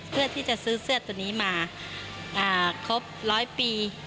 เพื่อที่จะซื้อเสื้อตัวนี้มาครบร้อยปี